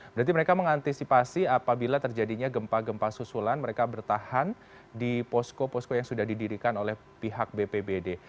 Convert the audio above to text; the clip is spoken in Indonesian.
berarti mereka mengantisipasi apabila terjadinya gempa gempa susulan mereka bertahan di posko posko yang sudah didirikan oleh pihak bpbd